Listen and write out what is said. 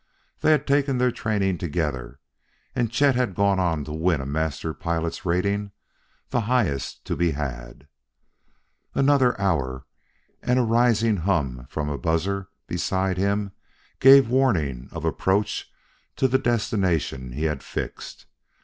They had taken their training together, and Chet had gone on to win a master pilot's rating, the highest to be had.... Another hour, and a rising hum from a buzzer beside him gave warning of approach to the destination he had fixed.